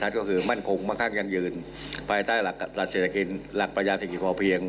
ก็คือมั่นคงมาข้างกันยืนภายใต้หลักเศรษฐกิจหลักประยาศิษฐ์อยู่พอเพียง